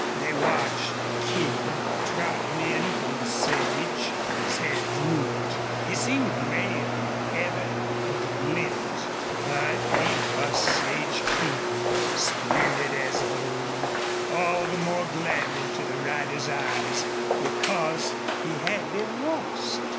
They watched the King trotting in from the sage. His head drooped. He seemed grayer than ever and he limped. But he was Sage King, splendid as of old, all the more gladdening to the riders' eyes because he had been lost.